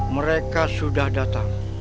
mereka sudah datang